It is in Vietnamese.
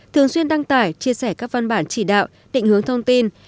thường xuyên đăng tải chia sẻ các văn bản chỉ đạo định hướng thông tin